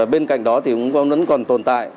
bên cạnh đó còn tồn tại